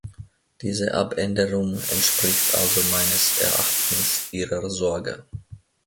Diese Abänderung entspricht also meines Erachtens Ihrer Sorge.